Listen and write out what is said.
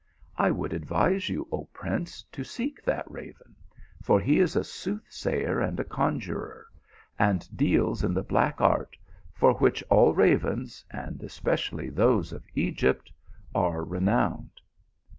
I would advise you, O prince, to seek that raven, for he is a soothsayer and a conjuror, and deals in the black art, for which all ravens, and especially those of Egypt, are renowned."